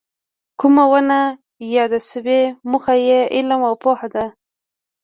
کومه ونه یاده شوې موخه یې علم او پوهه ده.